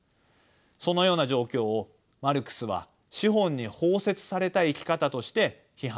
そのような状況をマルクスは資本に包摂された生き方として批判しました。